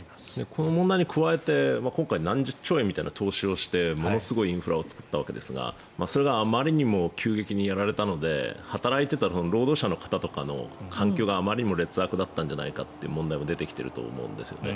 この問題に加えて今回何十兆円みたいな投資をしてものすごいインフラを作ったわけですがそれがあまりにも急激にやったので働いていた労働者の方とかの環境があまりにも劣悪だったんじゃないかという問題が出てきていると思うんですよね。